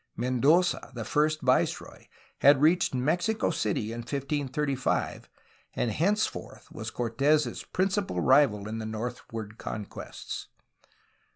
Mendoza, the first viceroy, had reached Mexico City in 1535, and hence forth was Cortes' principal rival in northward conquests.